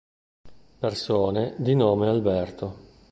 Persone di nome Alberto